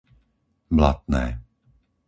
Blatné